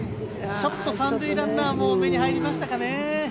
ちょっと３塁ランナーも目に入りましたかね。